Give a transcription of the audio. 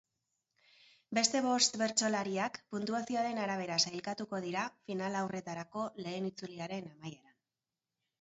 Beste bost bertsolariak puntuazioaren arabera sailkatuko dira finalaurrekoetako lehen itzuliaren amaieran.